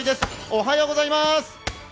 おはようございます！